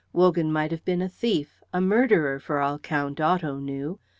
Wogan might have been a thief, a murderer, for all Count Otto knew.